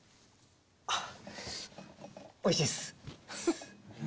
あっおいしいっす！